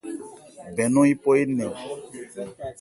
Bɛn nɔn yípɔ énɛn o.